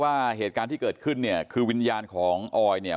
ว่าเหตุการณ์ที่เกิดขึ้นเนี่ยคือวิญญาณของออยเนี่ย